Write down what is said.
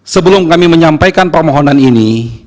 sebelum kami menyampaikan permohonan ini